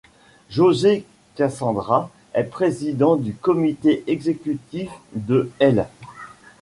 José Cassandra est président du comité exécutif de l'.